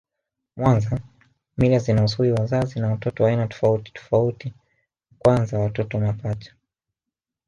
Mwanza mila zinahusui wazazi na watoto wa aina tofauti tofauti kwanza watoto mapacha